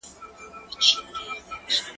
زه ليکنه کړې ده!؟